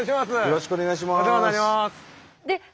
よろしくお願いします。